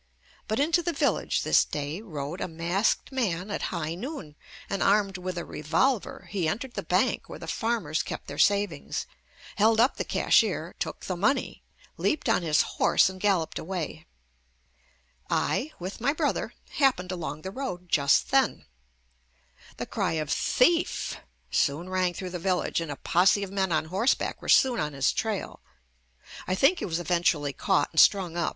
But into the village this day rode a masked man at high noon, and armed with a revolver he entered the bank where the farmers kept their savings, held up the cashier, took the money, leaped on his horse and galloped away. I, with my brother, hap pened along the road just then. The cry of "Thief" soon rang through the village and a posse of men on horseback were soon on his trail. I think he was eventually caught and JUST ME strung up, bi.